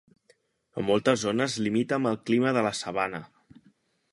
En moltes zones limita amb el clima de la sabana.